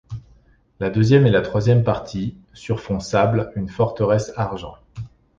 La deuxième et la troisième partie, sur fond sable, une forteresse argent.